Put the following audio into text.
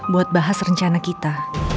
buat bahas rencana kita